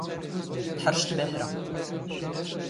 ⵜⵃⵕⵛⵎⵜ ⴱⴰⵀⵔⴰ.